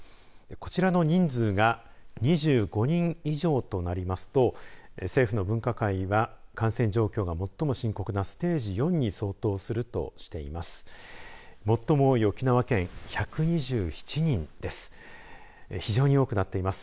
こちらの人数が２５人以上となりますと政府の分科会が感染状況が最も深刻なステージ４に相当するとしています。